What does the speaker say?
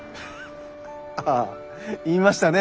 ああ言いましたね